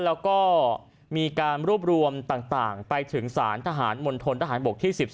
แล้วก็มีการรวบรวมต่างไปถึงสารทหารมณฑนทหารบกที่๑๒